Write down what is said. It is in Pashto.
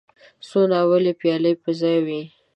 څو ناولې پيالې په ځای وې.